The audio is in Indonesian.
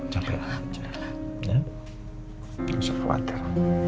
jangan terlalu khawatir